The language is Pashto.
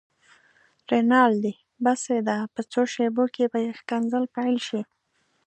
رینالډي: بس یې ده، په څو شېبو کې به ښکنځل پيل شي.